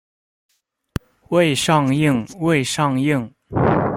未上映未上映